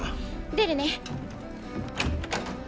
出るね。